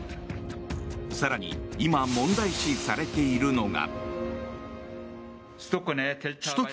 更に今、問題視されているのが。